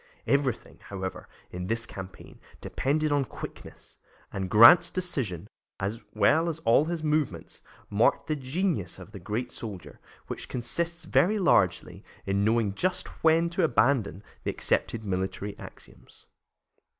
Everything, however, in this campaign, depended on quickness, and Grant's decision, as well as all his movements, marked the genius of the great soldier, which consists very largely in knowing just when to abandon the accepted military axioms.